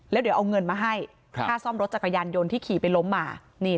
แล้วเดี๋ยวเอาเงินมาให้ค่าซ่อมรถจักรยานยนต์ที่ขี่ไปล้มมา